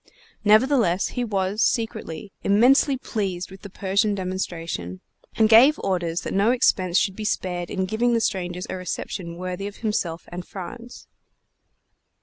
Nevertheless, he was, secretly, immensely pleased with the Persian demonstration, and gave orders that no expense should be spared in giving the strangers a reception worthy of himself and France.